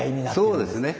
そうですね。